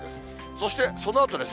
そしてそのあとです。